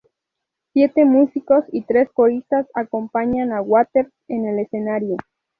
Siete músicos y tres coristas acompañan a Waters en el escenario.